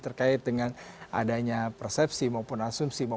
terkait dengan adanya persepsi maupun asumsi